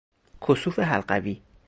کسوف حلقوی